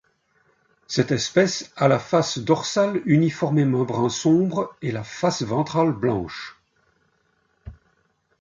Cette espèce a la face dorsale uniformément brun sombre et la face ventrale blanche.